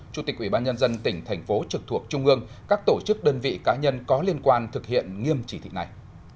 chủ tịch ubnd tỉnh thành phố trực thuộc trung ương các tổ chức đơn vị cá nhân có liên quan thực hiện nghiêm chỉ thị này